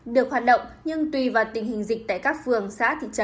được hoạt động